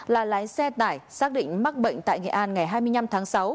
là lái xe tải xác định mắc bệnh tại nghệ an ngày hai mươi năm tháng sáu